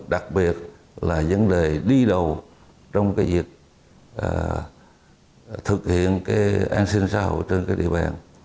đặc biệt là vấn đề đi đầu trong việc thực hiện cái an sinh xã hội trên cái địa bàn